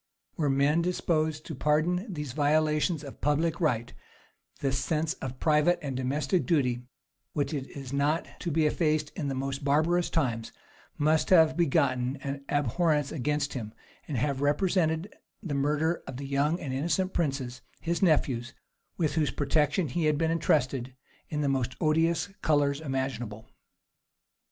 Were men disposed to pardon these violations of public right, the sense of private and domestic duty, which is not to be effaced in the most barbarous times, must have, begotten an abhorrence against him; and have represented the murder of the young and innocent princes, his nephews, with whose protection he had been intrusted, in the most odious colors imaginable.